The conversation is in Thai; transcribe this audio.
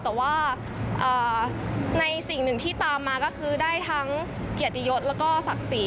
แต่ว่าในสิ่งหนึ่งที่ตามมาก็คือได้ทั้งเกียรติยศแล้วก็ศักดิ์ศรี